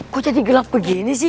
kok jadi gelap begini sih